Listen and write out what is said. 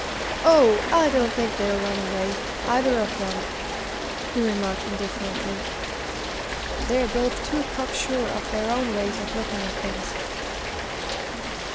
"Oh, I don't think they'll run away either of 'em," he remarked indifferently. "They're both too cock sure of their own ways of looking at things."